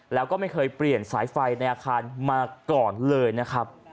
แล้วก็ไม่เคยเปลี่ยนสายไฟในอาคารมาก่อนเลยนะครับ